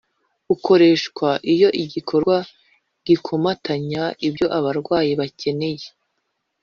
bukoreshwa iyo igikorwa gikomatanya ibyo abarwayi bakeneye.